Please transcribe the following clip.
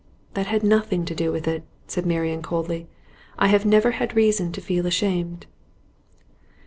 'That had nothing to do with it,' said Marian, coldly. 'I have never had reason to feel ashamed.